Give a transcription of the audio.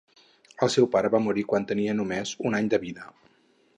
El seu pare va morir quan tenia només un any de vida.